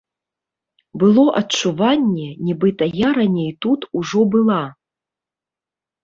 Было адчуванне, нібыта я раней тут ужо была.